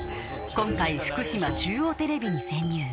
今回福島中央テレビに潜入